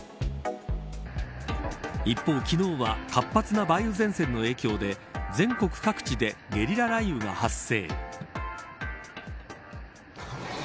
一方、昨日は活発な梅雨前線の影響で全国各地でゲリラ雷雨が発生。